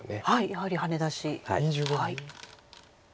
やはりハネ出し。